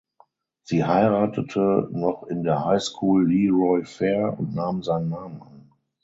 Sie heiratete noch in der High School Leroy Fair und nahm seinen Namen an.